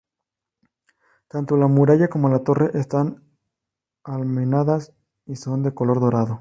Tanto la muralla como la torre están almenadas y son de color dorado.